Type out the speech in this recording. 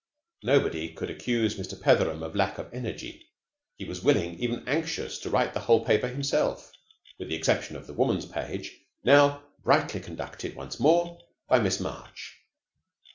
Nobody could accuse Mr. Petheram of lack of energy. He was willing, even anxious, to write the whole paper himself, with the exception of the Woman's Page, now brightly conducted once more by Miss March.